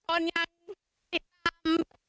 โอ้โหสมวนคนยังติดตาม